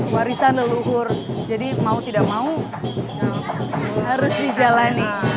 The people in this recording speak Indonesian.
warisan leluhur jadi mau tidak mau harus dijalani